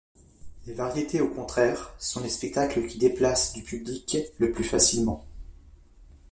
Les variétés, au contraire, sont les spectacles qui déplacent du public le plus facilement.